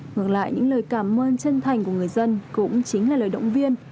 ngược lại những lời cảm ơn chân thành của người dân cũng chính là lời động viên